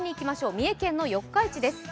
三重県の四日市です。